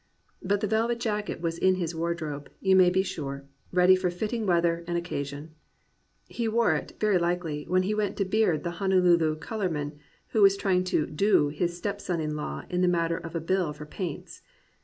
But the velvet jacket was in his wardrobe, you may be sure, ready for fitting weather and oc casion. He wore it, very likely, when he went to beard the Honolulu colourman who was trying to "do" his stepson in law in the matter of a bill for paints.